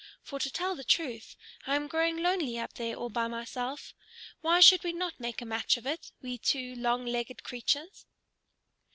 For to tell the truth, I am growing lonely up there all by myself. Why should we not make a match of it, we two long legged creatures?"